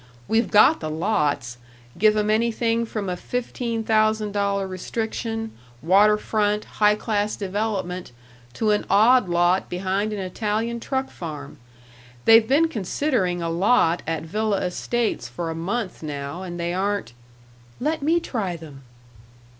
We've got the lots give 'em anything from a fifteen thousand dollar restriction, water front, high class development to an odd lot behind an Italian truck farm. They've been considering a lot at Villa Estates for a month, now, and they aren't " "Let me try them."